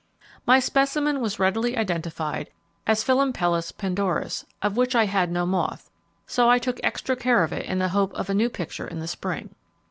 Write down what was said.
My specimen was readily identified as Philampelus Pandorus, of which I had no moth, so I took extra care of it in the hope of a new picture in the spring.